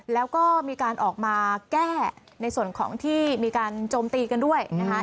แล้วก็มีการออกมาแก้ในส่วนของที่มีการโจมตีกันด้วยนะคะ